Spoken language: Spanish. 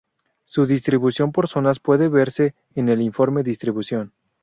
Su distribución por zonas puede verse en el informe ‘Distribución’.